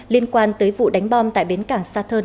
liên quan tới vụ đánh bom tại bến cảng saturn